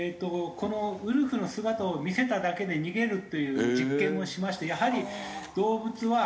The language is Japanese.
このウルフの姿を見せただけで逃げるという実験をしましてやはり動物は得体の知れ